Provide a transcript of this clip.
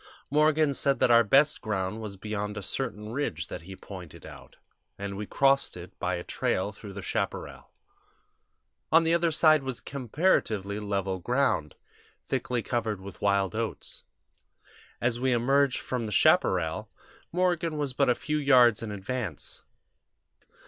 Morgan said that our best ground was beyond a certain ridge that he pointed out, and we crossed it by a trail through the chaparral. On the other side was comparatively level ground, thickly covered with wild oats. As we emerged from the chaparral, Morgan was but a few yards in advance.